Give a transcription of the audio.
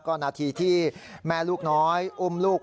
ก็นาทีที่แม่ลูกน้อยอุ้มลูก